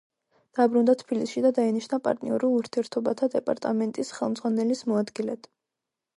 დაბრუნდა თბილისში და დაინიშნა პარტნიორულ ურთიერთობათა დეპარტამენტის ხელმძღვანელის მოადგილედ.